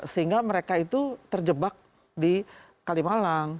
sehingga mereka itu terjebak di kalimalang